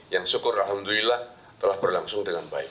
yang syukur alhamdulillah telah berlangsung dengan baik